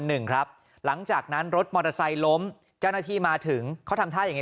หนึ่งครับหลังจากนั้นรถมอเตอร์ไซล้มเจ้าหน้าที่มาถึงเขาทำท่ายังไง